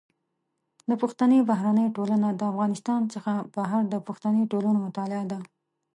د پښتني بهرنۍ ټولنه د افغانستان څخه بهر د پښتني ټولنو مطالعه ده.